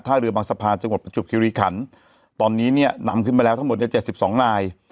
ท่าเรือบางสะพานจะหมดปัจจุบคิริขันตอนนี้เนี้ยนำขึ้นมาแล้วทั้งหมดเนี้ยเจ็ดสิบสองนาย